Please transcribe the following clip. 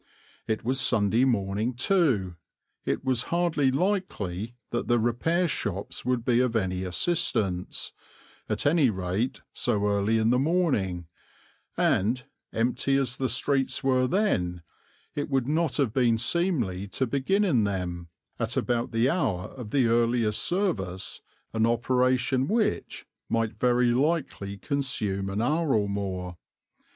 It was Sunday morning, too; it was hardly likely that the repair shops would be of any assistance, at any rate so early in the morning, and, empty as the streets were then, it would not have been seemly to begin in them, at about the hour of the earliest service, an operation which might very likely consume an hour or more.